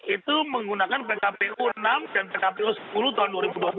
itu menggunakan pkpu enam dan pkpu sepuluh tahun dua ribu dua puluh